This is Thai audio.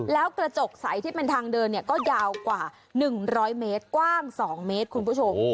แล้วกระจกใสที่เป็นทางเดินก็ยาวกว่า๑๐๐เมตรกว้าง๒เมตรคุณผู้ชม